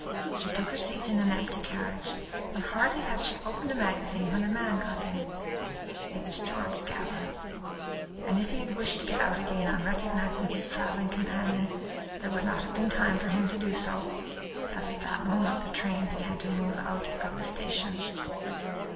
She took her seat in an empty carriage, and hardly had she opened a magazine when a man got in. It was George Gallon; and if he had wished to get out again on recognising his travelling companion, there would not have been time for him to do so, as at that moment the train began to move out of the station.